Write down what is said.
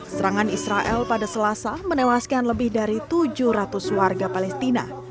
serangan israel pada selasa menewaskan lebih dari tujuh ratus warga palestina